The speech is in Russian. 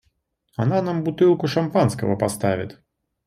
Она нам бутылку шампанского поставит.